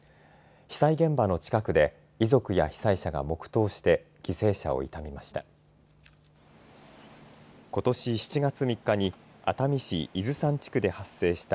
被災現場の近くで遺族や被災者が黙とうして犠牲者を悼みました。